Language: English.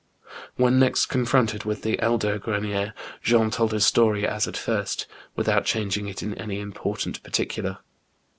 When next confronted with the elder Grcnicr, Jean told his story as at first, with out changing it in any important particular.